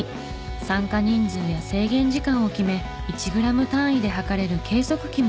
参加人数や制限時間を決め１グラム単位で量れる計測器も導入。